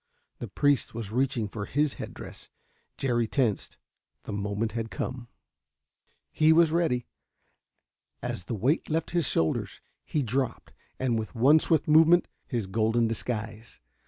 The priest was reaching for his head dress, Jerry tensed. The moment had come. He was ready. As the weight left his shoulders, he dropped, with one swift movement, his golden disguise.